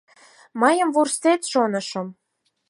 Мыйым вурсет, шонышым.